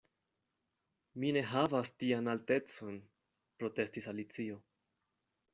"Mi ne havas tian altecon," protestis Alicio.